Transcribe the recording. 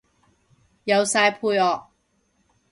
有晒配樂